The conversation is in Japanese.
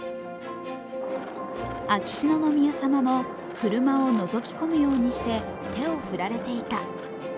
秋篠宮さまも車をのぞき込むようにして手を振られていた。